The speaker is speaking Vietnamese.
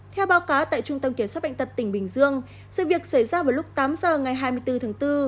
theo báo cáo tại trung tâm kiểm soát bệnh tật tỉnh bình dương sự việc xảy ra vào lúc tám giờ ngày hai mươi bốn tháng bốn